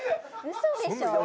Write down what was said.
嘘でしょ。